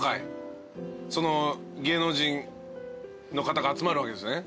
芸能人の方が集まるわけですよね。